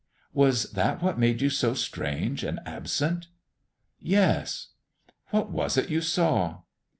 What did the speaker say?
"Was that what made you so strange and absent?" "Yes." "What was it you saw?"